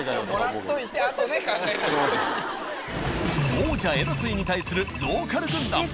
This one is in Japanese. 王者・えのすいに対するローカル軍団。